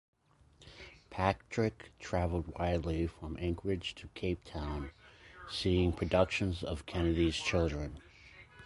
Patrick traveled widely, from Anchorage to Cape Town, seeing productions of Kennedy's Children.